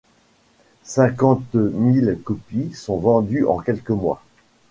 Cinquante mille copies sont vendues en quelques mois.